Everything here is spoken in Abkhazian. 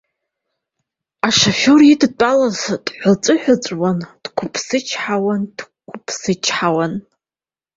Ашафиор идтәалаз дҳәыҵәыҳәыҵәуан, дқәыԥсычҳауан, дқәыԥсычҳауан.